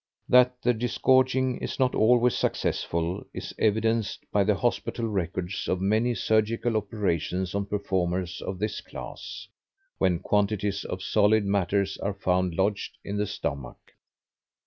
That the disgorging is not always successful is evidenced by the hospital records of many surgical operations on performers of this class, when quantities of solid matter are found lodged in the stomach.